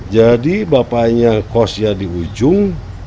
jadi bapaknya kosnya di ujung